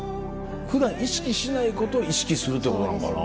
普段意識しないことを意識するってことなんかな？